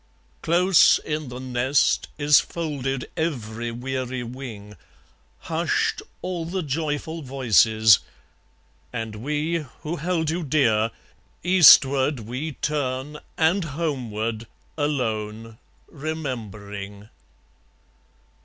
Close in the nest is folded every weary wing, Hushed all the joyful voices; and we, who held you dear, Eastward we turn and homeward, alone, remembering